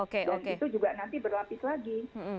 dan itu juga nanti berlapis lagi